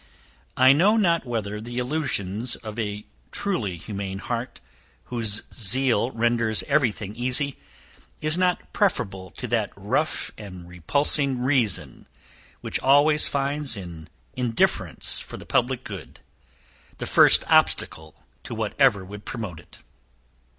"I know not whether the allusions of a truly humane heart, whose zeal renders every thing easy, is not preferable to that rough and repulsing reason, which always finds in indifference for the public good, the first obstacle to whatever would promote it."